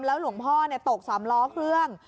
แล้วหลวงพ่อเนี่ยตกสามล้อเครื่อง